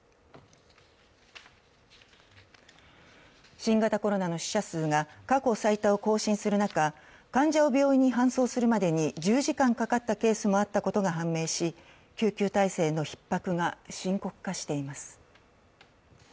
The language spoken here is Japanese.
新型コロナの死者数が過去最多を更新する中、患者を病院に搬送するまでに１０時間かかったケースもあったことが判明し救急体制のひっ迫が深刻化しています。